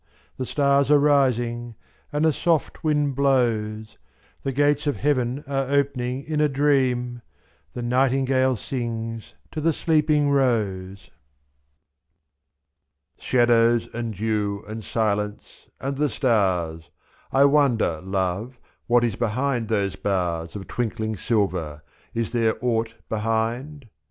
The stars are rising, and a soft wind blows, 2*^The gates of heaven are opening in a dream — The nightingale sings to the sleeping rose. Shadows, and dew, and silence, and the stars — I wonder, love, what is behind those bars j2^.r.Of twinkling silver — is there aught behind